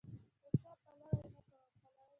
د چا پلوی نه کوم.